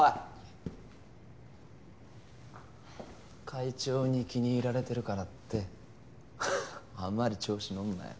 会長に気に入られてるからってあんまり調子のんなよ。